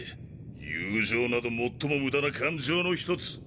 友情など最も無駄な感情の一つ。